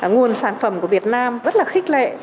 nguồn sản phẩm của việt nam rất là khích lệ